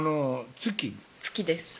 月です